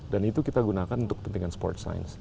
dan itu kita gunakan untuk pentingan sport science